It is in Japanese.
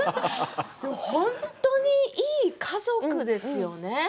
本当にいい家族ですよね。